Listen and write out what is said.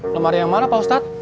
lemari yang mana pak ustadz